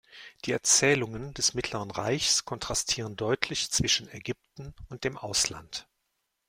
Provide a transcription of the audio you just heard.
Die Erzählungen des Mittleren Reichs kontrastieren deutlich zwischen „Ägypten“ und dem „Ausland“.